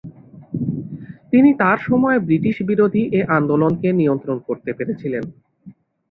তিনি তাঁর সময়ে ব্রিটিশ বিরোধী এ আন্দোলনকে নিয়ন্ত্রণ করতে পেরেছিলেন।